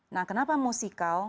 nah kenapa musikal